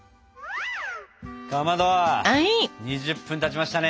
かまど２０分たちましたね。